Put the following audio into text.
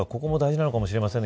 ここも大事なのかもしれませんね。